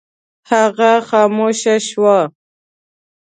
هغه خاموشه شوه.